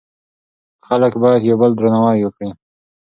خلک باید یو بل درناوی کړي.